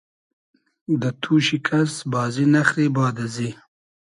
دۂ توشی کئس بازی نئخری باد ازی